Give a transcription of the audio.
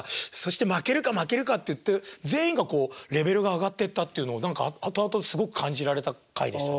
そして負けるか負けるかっていって全員がこうレベルが上がってったっていうのを何か後々すごく感じられた会でしたね。